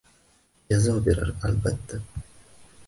Jazo berar albatta.